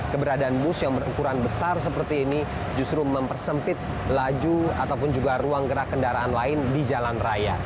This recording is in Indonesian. keberadaan bus yang berukuran besar seperti ini justru mempersempit laju ataupun juga ruang gerak kendaraan lain di jalan raya